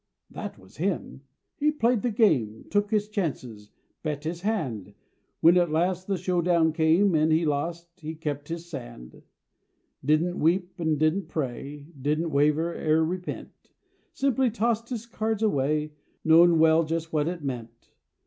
That was him! He played the game, Took his chances, bet his hand, When at last the showdown came An' he lost, he kept his sand; Didn't weep an' didn't pray, Didn't waver er repent, Simply tossed his cards away, Knowin' well just what it meant.